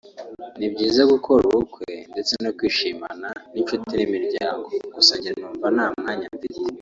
“Ni byiza gukora ubukwe ndetse no kwishimana n’inshuti n’imiryango gusa jye numva nta mwanya mfite